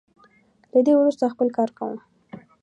له دې وروسته خپل کار کوم.